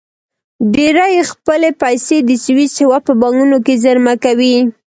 ډېری یې خپلې پیسې د سویس هېواد په بانکونو کې زېرمه کوي.